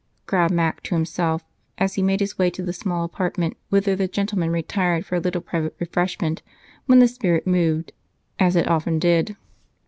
growled Mac to himself as he made his way to the small apartment whither the gentlemen retired for a little private refreshment when the spirit moved, as it often did.